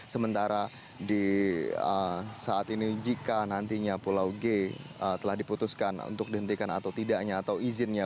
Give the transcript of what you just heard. sementara di saat ini jika nantinya pulau g telah diputuskan untuk dihentikan atau tidaknya atau izinnya